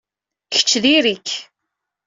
Kečč diri-k.